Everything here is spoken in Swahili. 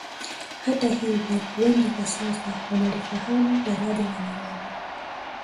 Hata hivyo wengi kwa sasa wanalifahamu Daraja la Nyerere